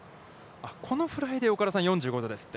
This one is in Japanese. このフライで岡田さん、４５度ですって。